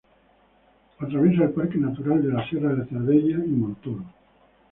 Atraviesa el parque natural de la Sierra de Cardeña y Montoro.